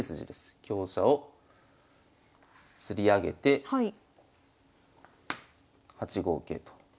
香車をつり上げて８五桂と。